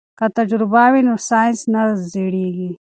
که تجربه وي نو ساینس نه زړیږي.